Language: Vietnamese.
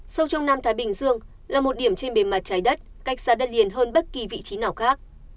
sâu trong nam thái bình dương là một điểm trên bề mặt trái đất cách xa đất liền hơn bất kỳ vị trí nào khác